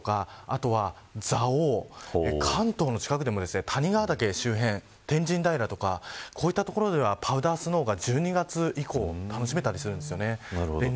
東北地方ですとかあとは蔵王関東の近くでも谷川岳周辺天神平とかこういった所ではパウダースノーが１２月以降楽しめたりするんです。